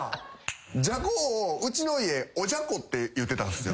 じゃこをうちの家おじゃこって言ってたんすよ。